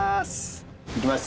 行きます。